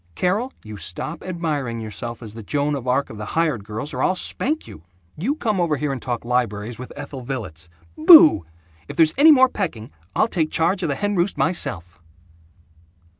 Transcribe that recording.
Carol, you stop admiring yourself as the Joan of Arc of the hired girls, or I'll spank you. You come over here and talk libraries with Ethel Villets. Boooooo! If there's any more pecking, I'll take charge of the hen roost myself!"